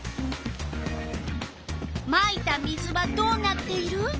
まいた水はどうなっている？